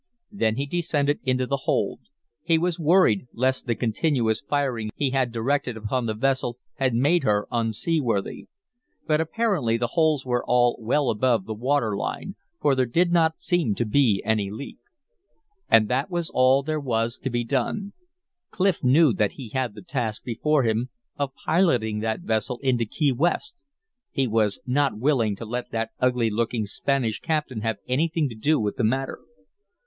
Then he descended into the hold; he was worried lest the continuous firing he had directed upon the vessel had made her unseaworthy. But apparently the holes were all well above the water line, for there did not seem to be any leak. And that was all there was to be done. Clif knew that he had the task before him of piloting that vessel into Key West; he was not willing to let that ugly looking Spanish captain have anything to do with the matter.